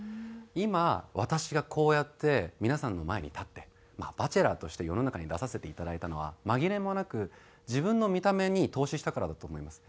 今私がこうやって皆さんの前に立ってまあバチェラーとして世の中に出させていただいたのは紛れもなく自分の見た目に投資したからだと思います。